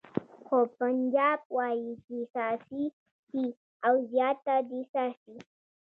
خو پنجاب وایي چې څاڅي دې او زیاته دې څاڅي.